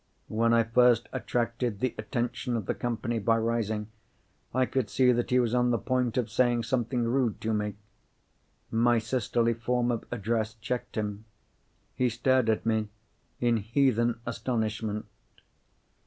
When I first attracted the attention of the company by rising, I could see that he was on the point of saying something rude to me. My sisterly form of address checked him. He stared at me in heathen astonishment.